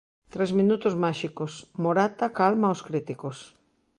Tres minutos máxicos: Morata calma aos críticos.